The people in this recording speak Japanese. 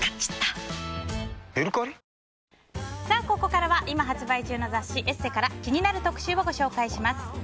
ここからは今発売中の雑誌「ＥＳＳＥ」から気になる特集をご紹介します。